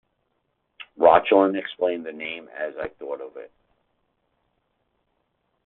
Rochlen explained the name as I thought of it.